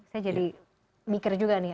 saya jadi mikir juga nih